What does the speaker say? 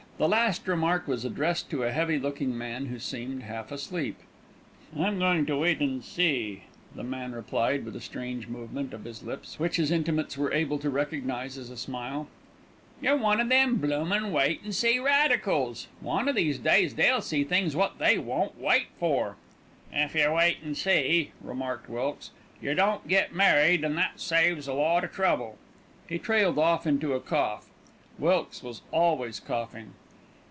The last remark was addressed to a heavy looking man who seemed half asleep. "I'm goin' to wait an' see," the man replied, with a strange movement of his lips, which his intimates were able to recognise as a smile. "You're one of them bloomin' wait an' see radicals. One o' these days they'll see things wot they won't wait for." "If yer wait an' see," remarked Wilkes, "yer don't get married, an' that saves a lot of trouble." He trailed off into a cough. Wilkes was always coughing.